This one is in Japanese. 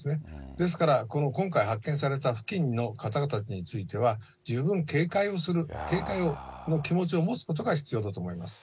ですから、この今回発見された付近の方々については十分警戒をする、警戒の気持ちを持つことが必要だと思います。